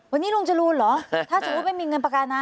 วันนี้ลุงจรูนเหรอถ้าสมมุติไม่มีเงินประกันนะ